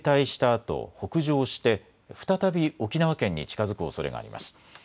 あと北上して再び沖縄県に近づくおそれがあります。